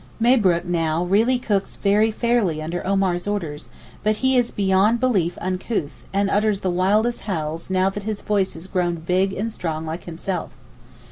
Mabrook now really cooks very fairly under Omar's orders, but he is beyond belief uncouth, and utters the wildest howls now that his voice is grown big and strong like himself.